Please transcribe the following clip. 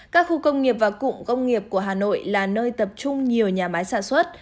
các khu công nghiệp và cụm công nghiệp của hà nội là nơi tập trung nhiều nhà máy sản xuất